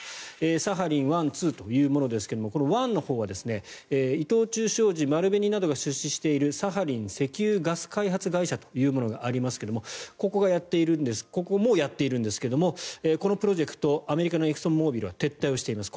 サハリン１、２というものですがこの１のほうは伊藤忠商事、丸紅などが出資しているサハリン石油ガス開発会社というものがあるんですがここもやっているんですがこのプロジェクトアメリカのエクソンモービルは撤退をしています。